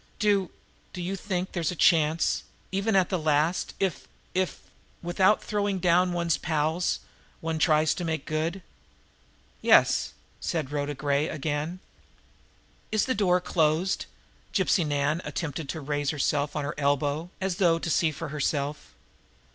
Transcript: "Do do you think there is a chance even at the last if if, without throwing down one's pals, one tries to make good?" "Yes," said Rhoda Gray again. "Is the door closed?" Gypsy Nan attempted to raise herself on her elbow, as though to see for herself.